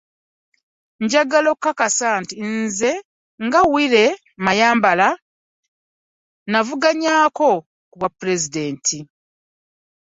Njagala okukakasa nti nze nga Willy Mayambala nnavuganyaako ku bwapulezidenti